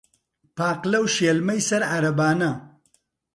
پاقلە و شێلمەی سەر عارەبانە